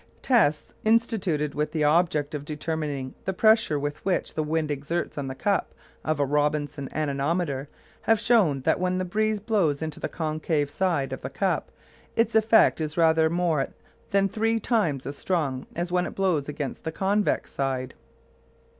Tests instituted with the object of determining the pressure which the wind exerts on the cup of a "Robinson" anemometer have shown that when the breeze blows into the concave side of the cup, its effect is rather more than three times as strong as when it blows against the convex side.